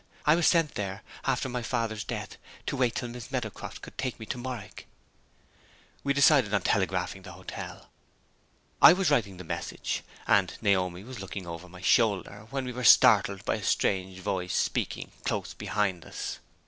"I was sent there, after my father's death, to wait till Miss Meadowcroft could take me to Morwick." We decided on telegraphing to the hotel. I was writing the message, and Naomi was looking over my shoulder, when we were startled by a strange voice speaking close behind us.